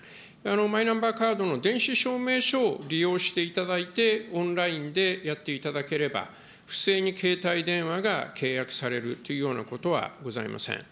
マイナンバーカードの電子証明書を利用していただいて、オンラインでやっていただければ、不正に携帯電話が契約されるというようなことはございません。